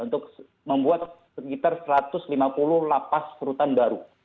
untuk membuat sekitar satu ratus lima puluh lapas rutan baru